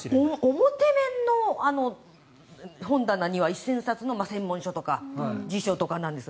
表面の本棚には１０００冊の専門書とか辞書なんです。